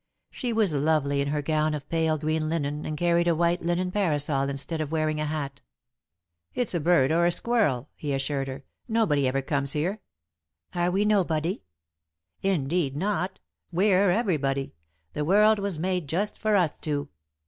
She was lovely in her gown of pale green linen, and carried a white linen parasol instead of wearing a hat. "It's a bird, or a squirrel," he assured her. "Nobody ever comes here." "Are we nobody?" "Indeed not we're everybody. The world was made just for us two."